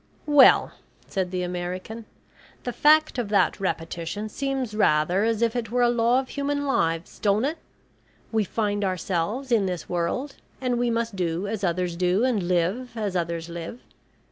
"Well," said the American, "the fact of that repetition seems rather as if it were a law of human lives, don't it? We find ourselves in this world, and we must do as others do, and live as others live.